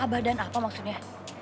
abah dan apa maksudnya